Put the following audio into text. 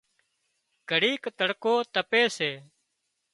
گھڙيڪ تڙڪو تپي سي